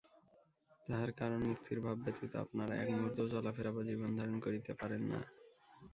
তাহার কারণ মুক্তির ভাব ব্যতীত আপনারা এক মুহূর্তও চলাফেরা বা জীবনধারণ করিতে পারেন না।